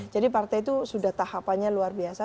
jadi partai itu sudah tahapannya luar biasa